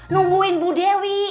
nungguin bu dewi